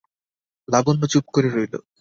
লাবণ্য চুপ করে রইল।